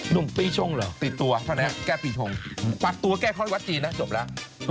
นุ่มปีชงเหรอติดตัวแก้ปีชงปัดตัวแก้ข้อที่วัดจีนนะจบแล้ว